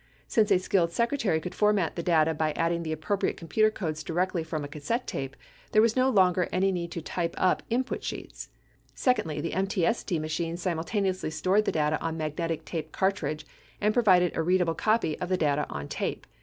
Since a skilled secretary could format the data by adding the appropriate computer codes directly from a cassette tape, there no longer was a need to type up "input sheets." Secondly, the MTST machines simultaneously stored the data on a magnetic tape cartridge and provided a readable copy of the data on tape.